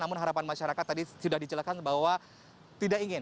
namun harapan masyarakat tadi sudah dijelaskan bahwa tidak ingin